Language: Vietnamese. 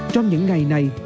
trong những ngày này